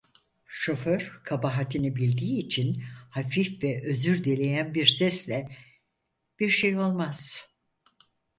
Şoför, kabahatini bildiği için hafif ve özür dileyen bir sesle: "Bir şey olmaz!"